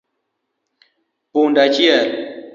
Punda achiel